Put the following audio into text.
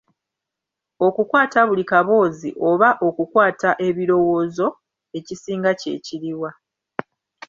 Okukwata buli kaboozi oba okukwata ebirowoozo, ekisinga kye kiri wa?